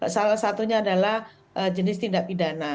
salah satunya adalah jenis tindak pidana